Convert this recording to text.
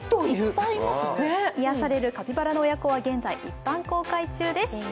癒やされるカピバラの親子は現在、一般公開中です。